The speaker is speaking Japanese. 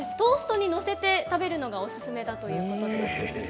トーストに載せて食べるのがおすすめだということです。